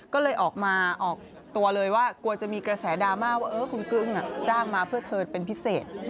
ก็เลยออกมาออกตัวเลยว่ากลัวจะมีกระแสดราม่าว่าคุณกึ้งจ้างมาเพื่อเธอเป็นพิเศษ